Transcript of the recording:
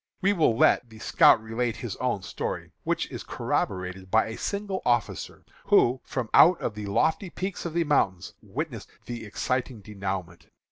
We will let the scout relate his own story, which is corroborated by a signal officer, who, from one of the lofty peaks of the mountains, witnessed the exciting denouement.